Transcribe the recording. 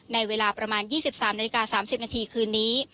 ในเวลาประมาณ๒๓นาฬิกา๓๐นาทีคืนนี้